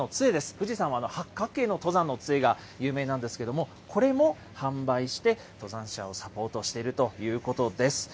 富士山は八角形の登山のつえが有名なんですけれども、これも販売して、登山者をサポートしているということです。